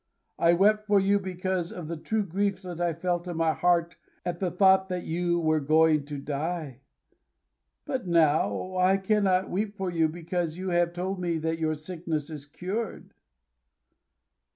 I wept for you because of the true grief that I felt in my heart at the thought that you were going to die. But now I cannot weep for you, because you have told me that your sickness is cured."